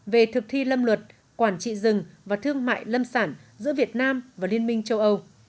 về thực thi lâm luật quản trị rừng và thương mại lâm sản giữa việt nam và liên minh châu âu